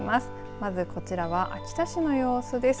まずこちら秋田市の様子です。